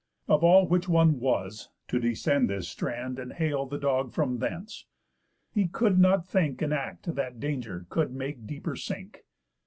Of all which one was, to descend this strand, And hale the dog from thence. He could not think An act that danger could make deeper sink.